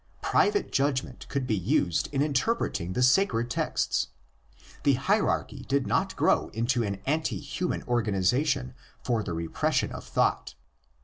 Private judgment could be used in interpreting the sacred texts. The hierarchy did not grow into an anti human organisation for the repression of thought.